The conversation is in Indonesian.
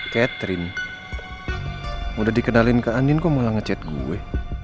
catherine udah dikenalin kak andien kok malah ngechat gue